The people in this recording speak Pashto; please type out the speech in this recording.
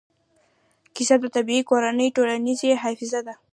کیسه د طبعي کورنۍ ټولنیزه حافظه ده.